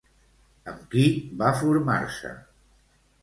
Amb qui va formar-se?